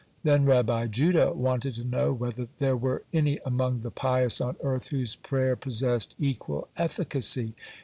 Then Rabbi Judah wanted to know whether there were any among the pious on earth whose prayer possessed equal efficacy.